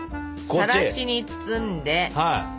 さらしに包んでしぼる！